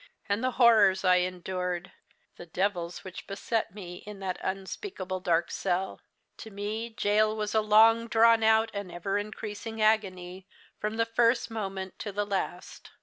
And the horrors I endured, the devils which beset me, in that unspeakable dark cell! To me, gaol was a long drawn out and ever increasing agony, from the first moment to the last.